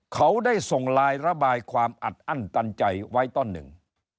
เขาได้ส่งไลน์ระบายความอัดอั้นตันใจไว้ต้นหนึ่ง